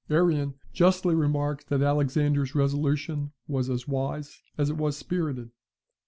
Arrian justly remarks that Alexander's resolution was as wise as it was spirited.